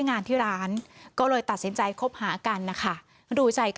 งานที่ร้านก็เลยตัดสินใจ